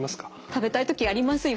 食べたい時ありますよね。